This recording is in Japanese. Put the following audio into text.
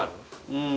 うん。